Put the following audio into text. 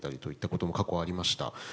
ことも過去にありました。